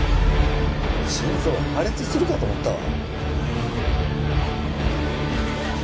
心臓破裂するかと思ったわ。